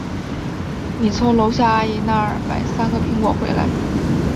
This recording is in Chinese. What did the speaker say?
你去楼下阿姨那儿买三个苹果回来。